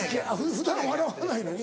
普段笑わないのに。